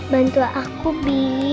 bantu aku b